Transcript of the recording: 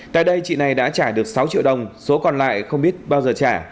tại đây chị này đã trả được sáu triệu đồng số còn lại không biết bao giờ trả